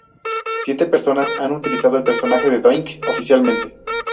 Siete personas han utilizado el personaje de Doink oficialmente.